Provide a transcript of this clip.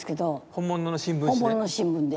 本物の新聞紙で？